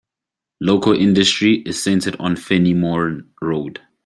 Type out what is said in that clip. Local industry is centered on Fenimore Road.